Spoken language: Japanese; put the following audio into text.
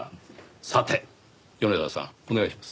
さて米沢さんお願いします。